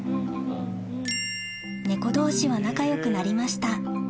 猫同士は仲よくなりました